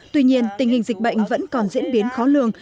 tuy nhiên tình hình dịch bệnh vẫn còn diễn biến khó lường